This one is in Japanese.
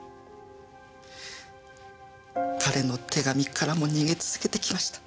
彼の手紙からも逃げ続けてきました。